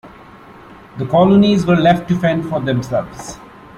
The colonies were left to fend for themselves.